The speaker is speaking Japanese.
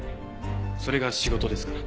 それが仕事ですから。